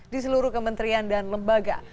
di seluruh kementerian dan lembaga